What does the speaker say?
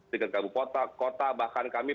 tingkat kabupota kota bahkan kami